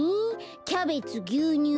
キャベツぎゅうにゅう